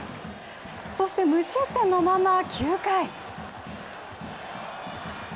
そして無失点のまま９回。